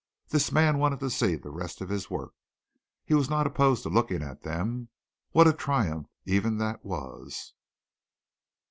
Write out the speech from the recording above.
This man wanted to see the rest of his work. He was not opposed to looking at them. What a triumph even that was!